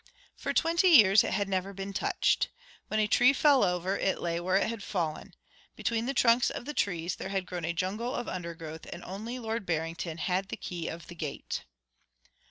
For twenty years it had never been touched. When a tree fell over, it lay where it had fallen; between the trunks of the trees there had grown a jungle of undergrowth; and only Lord Barrington had the key of the gate.